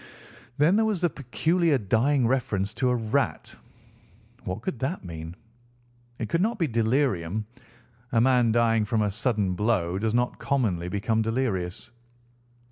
Then there was the peculiar dying reference to a rat. What could that mean? It could not be delirium. A man dying from a sudden blow does not commonly become delirious.